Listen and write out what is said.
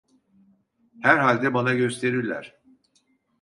Herhalde bana gösterirler!